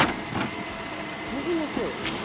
右の手を？